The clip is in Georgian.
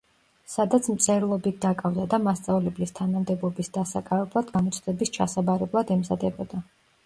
სადაც მწერლობით დაკავდა და მასწავლებლის თანამდებობის დასაკავებლად გამოცდების ჩასაბარებლად ემზადებოდა.